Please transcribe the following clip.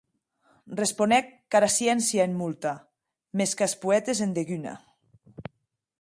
Responec qu'ara sciéncia en molta; mès qu'as poètes en deguna.